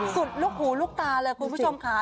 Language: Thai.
ลูกหูลูกตาเลยคุณผู้ชมค่ะ